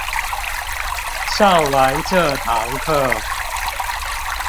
上完這堂課